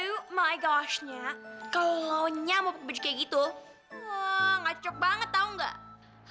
oh my goshnya kalau nyamu pakai baju kayak gitu wah ngacok banget tau gak